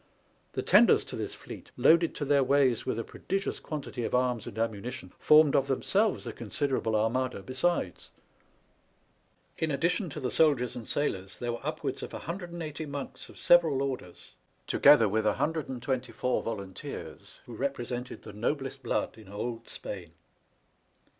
The tenders to this fleet, loaded to their ways with a prodigious quantity of arms and ammunition, formed of themselves a consider able armada besides. In addition to the soldiers and sailors there were upwards of 180 monks of several orders, together with 124 volunteers, who represented the noblest blood in old Spain.